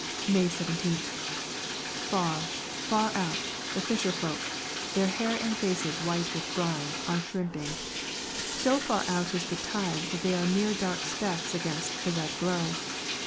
May 17th. Far, far out, the fisher folk, their hair and faces white with brine, are shrimping. So far out is the tide that they are mere dark specks against the red glow.